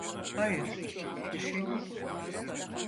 Hayır, bir şey yok.